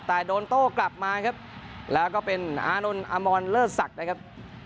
แต่โดนโตกลับมาครับแล้วก็เป็นอานุลอมอนเลอร์สักนะครับ